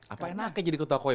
apa enak kan jadi ketua koi